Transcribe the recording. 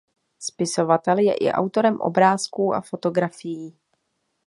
Spisovatel je i autorem obrázků a fotografií.